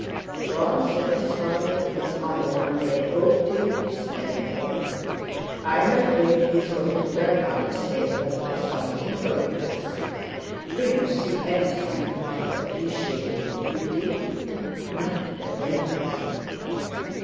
"Jon," said his father to his mother, under the oak tree, "is terrible. I'm afraid he's going to turn out a sailor, or something hopeless. Do you see any sign of his appreciating beauty?" "Not the faintest."